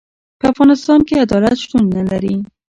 په افغانستان کي عدالت شتون نلري.